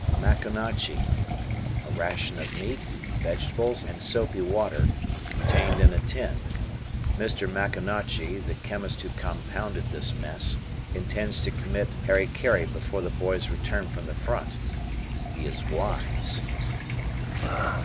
Maconochie. A ration of meat, vegetables, and soapy water, contained in a tin. Mr. Maconochie, the chemist who compounded this mess, intends to commit "hari kari" before the boys return from the front. He is wise.